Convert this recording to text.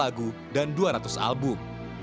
aku menjauh engkau menjauh